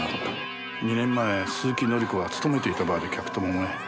２年前鈴木紀子は勤めていたバーで客と揉め。